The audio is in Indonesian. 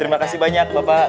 terima kasih banyak bapak